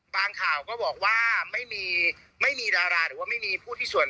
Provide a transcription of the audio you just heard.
ข่าวก็บอกว่าไม่มีไม่มีดาราหรือว่าไม่มีผู้ที่ส่วน